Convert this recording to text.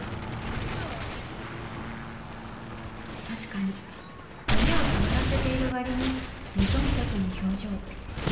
確かに胸を触らせているわりに無頓着な表情。